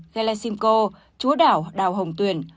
gaila simcoe chúa đảo đào hồng tuyển